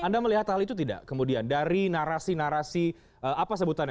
anda melihat hal itu tidak kemudian dari narasi narasi apa sebutannya